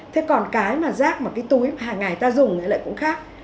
thế còn cái mà rác mà cái túi hàng ngày ta dùng thì lại cũng khác